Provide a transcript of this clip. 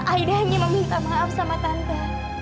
aida hanya meminta maaf sama tante